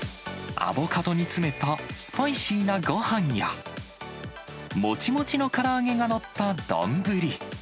アボカドに詰めたスパイシーなごはんや、もちもちのから揚げが載った丼。